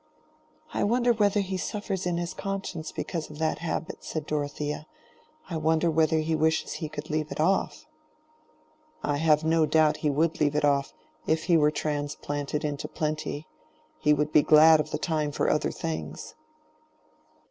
"I wonder whether he suffers in his conscience because of that habit," said Dorothea; "I wonder whether he wishes he could leave it off." "I have no doubt he would leave it off, if he were transplanted into plenty: he would be glad of the time for other things."